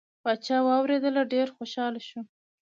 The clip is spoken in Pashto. پاچا واورېدله ډیر خوشحال شو.